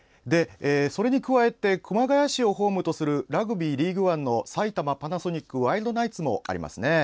それに加えて熊谷市をホームとするラグビー、リーグワンの埼玉パナソニックワイルドナイツもありますね。